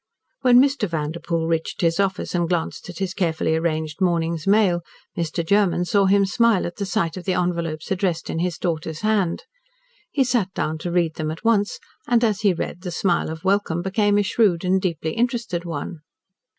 When Mr. Vanderpoel reached his office and glanced at his carefully arranged morning's mail, Mr. Germen saw him smile at the sight of the envelopes addressed in his daughter's hand. He sat down to read them at once, and, as he read, the smile of welcome became a shrewd and deeply interested one.